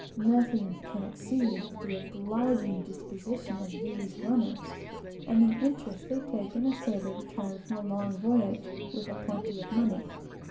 Nothing can exceed the obliging disposition of these runners, and the interest they take in a sailor returned from a long voyage with a plenty of money.